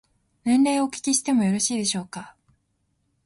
年齢をお聞きしてもよろしいでしょうか。